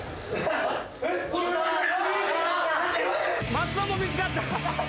松尾も見つかった。